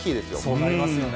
そうなりますよね。